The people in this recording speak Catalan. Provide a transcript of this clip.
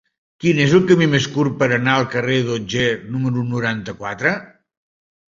Quin és el camí més curt per anar al carrer d'Otger número noranta-quatre?